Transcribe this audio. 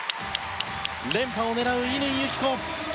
連覇を狙う乾友紀子！